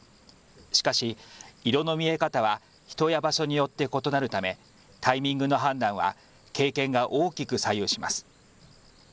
しかし、色の見え方は人や場所によって異なるためタイミングの判断は経験が大きく左右します。